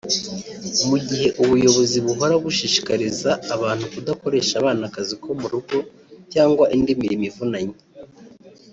mu gihe ubuyobozi buhora bushishikariza abantu kudakoresha abana akazi ko mu rugo cyangwa indi mirimo ivunanye